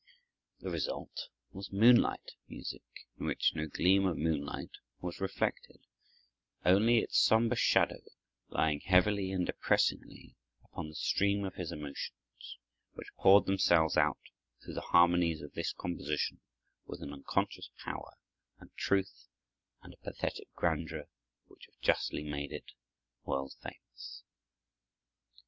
The result was moonlight music in which no gleam of moonlight was reflected; only its somber shadow lying heavily and depressingly upon the stream of his emotions, which poured themselves out through the harmonies of this composition with an unconscious power and truth and a pathetic grandeur which have justly made it world famous.